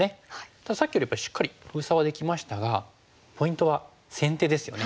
たださっきよりはやっぱりしっかり封鎖はできましたがポイントは先手ですよね。